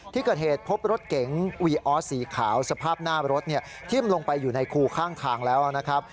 ที่เกิดเหตุพบรถเก๋งวีออสสีขาวสภาพหน้ารถทิ้มลงไปอยู่ในคูข้างทางแล้วนะครับ